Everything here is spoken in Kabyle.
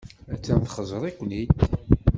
Attan txeẓẓer-iken-id.